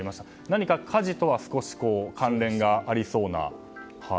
何か火事とは少し関連がありそうな。